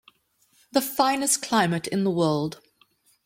The finest climate in the world!